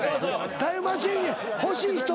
タイムマシーンに欲しい１人や。